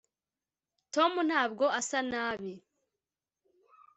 tom ntabwo asa nabi